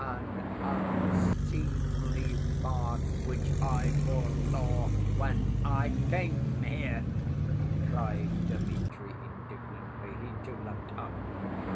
"An unseemly farce which I foresaw when I came here!" cried Dmitri indignantly. He too leapt up.